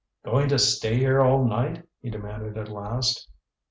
"Going to stay here all night?" he demanded at last.